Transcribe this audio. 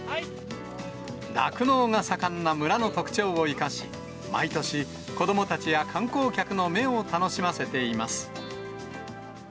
酪農が盛んな村の特徴を生かし、毎年、子どもたちや観光客の目を楽しませています。